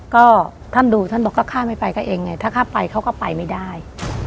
ก็ท่านดูท่านบอกก็ข้าไม่ไปก็เองไงถ้าข้าไปเขาก็ไปไม่ได้